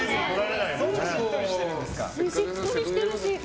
しっとりしてるし。